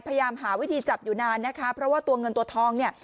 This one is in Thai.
พยายามหาวิธีจับอยู่นานนะคะเพราะว่าตัวเงินตัวทองเนี่ย